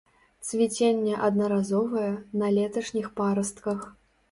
Цвіценне аднаразовае, на леташніх парастках.